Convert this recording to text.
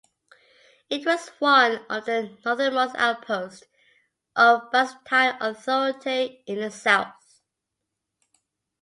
It was one of the northernmost outposts of Byzantine authority in the south.